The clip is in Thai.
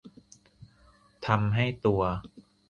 ทำให้ตัว